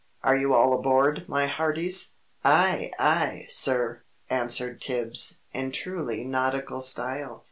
"Are you all aboard, my hearties?" "Aye, aye, sir!" answered Tibbs, in truly nautical style.